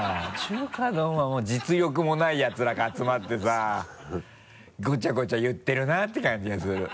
中華丼はもう実力もないやつらが集まってさごちゃごちゃ言ってるなって感じがする。